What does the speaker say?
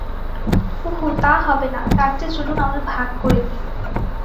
উঁহু তা হবেনা, তারচেয়ে চলুন আমরা ভাগ করে দিই।